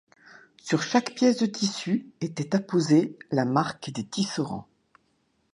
Sur chaque pièce de tissu était apposé la marque des tisserands.